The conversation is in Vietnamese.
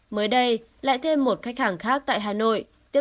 mới đây lại thêm một khách hàng khác tại hà nội tiếp